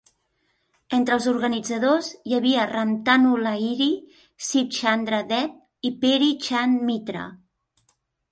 Entre els organitzadors hi havia Ramtanu Lahiri, Sib Chandra Deb i Peary Chand Mitra.